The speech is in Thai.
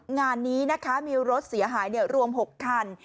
งานนี้นะคะมีรถเสียหายรวม๖คัน